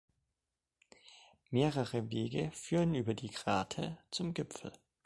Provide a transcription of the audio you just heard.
Mehrere Wege führen über die Grate zum Gipfel.